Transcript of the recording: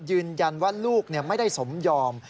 ยืนยันว่าลูกไม่ได้สมยอม